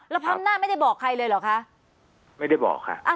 แล้วพร้ำหน้าไม่ได้บอกใครเลยเหรอคะไม่ได้บอกค่ะ